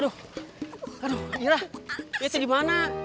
aduh aduh irah dia sih dimana